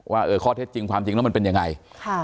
ว่าเออข้อเท็จจริงความจริงแล้วมันเป็นยังไงค่ะ